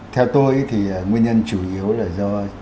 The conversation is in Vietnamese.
theo tôi nguyên nhân chủ yếu là do